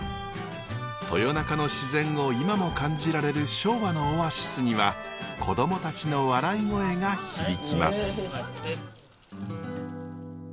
豊中の自然を今も感じられる昭和のオアシスには子供たちの笑い声が響きます。